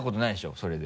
それで。